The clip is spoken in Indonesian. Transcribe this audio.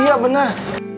gue lapar nek